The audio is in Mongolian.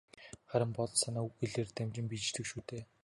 Харин бодол санаа үг хэлээр дамжин биеждэг шүү дээ.